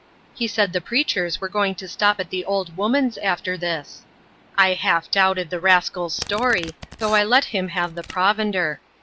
He said the preachers were going to stop at the old woman's after this. I half doubted the rascal's story, though I let him have the provender.